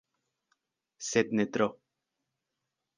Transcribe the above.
Sed ne tro.